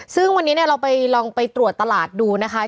ซึ่งวันนี้เราไปลองไปตรวจตลาดดูนะคะ